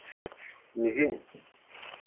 Ngen.